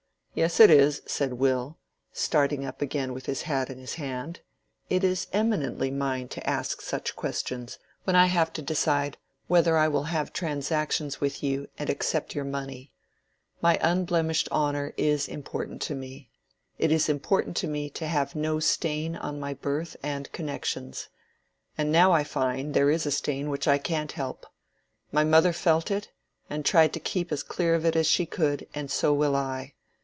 "Yes, it is," said Will, starting up again with his hat in his hand. "It is eminently mine to ask such questions, when I have to decide whether I will have transactions with you and accept your money. My unblemished honor is important to me. It is important to me to have no stain on my birth and connections. And now I find there is a stain which I can't help. My mother felt it, and tried to keep as clear of it as she could, and so will I.